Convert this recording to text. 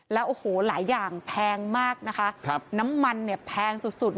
แล้วโอ้โหหลายอย่างแพงมากนะคะน้ำมันเนี่ยแพงสุด